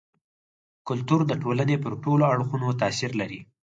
کلتور د ټولني پر ټولو اړخونو تاثير لري.